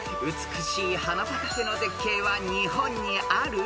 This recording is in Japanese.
［美しい花畑の絶景は日本にある？